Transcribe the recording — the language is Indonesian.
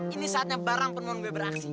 ini saatnya barang penemuan gue beraksi